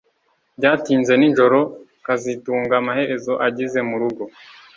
Byatinze nijoro kazitunga amaherezo ageze murugo